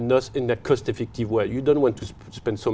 đó là điều rất quan trọng